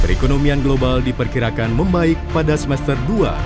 perekonomian global diperkirakan membaik pada semester dua dua ribu dua puluh